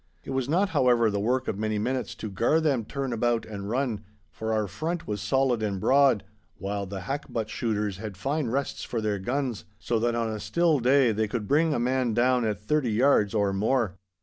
It was not, however, the work of many minutes to gar them turn about and run, for our front was solid and broad, while the hackbutt shooters had fine rests for their guns, so that on a still day they could bring a man down at thirty yards or more.